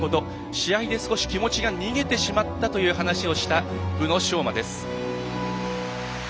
試合で少し気持ちが逃げてしまったという話をした宇野昌磨です。